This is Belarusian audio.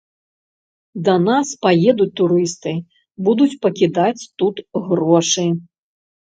Да нас паедуць турысты, будуць пакідаць тут грошы.